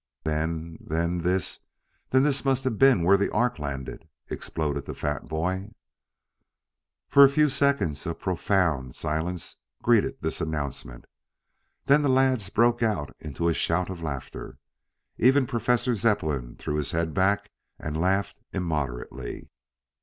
"Then then this then this must have been where the Ark landed," exploded the fat boy. For a few seconds a profound silence greeted this announcement. Then the lads broke out into a shout of laughter. Even Professor Zepplin threw his head back and laughed immoderately.